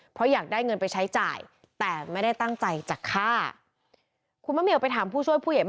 เพราะอยากได้เงินไปใช้จ่าย